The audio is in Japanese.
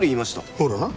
ほらな。